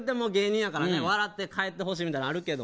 笑って帰ってほしいというのはあるけど。